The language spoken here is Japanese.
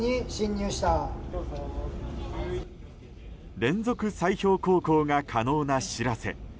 連続砕氷航行が可能な「しらせ」。